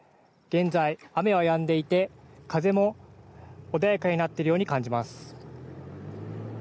現在、雨はやんでいて風も穏やかになっているように感じます。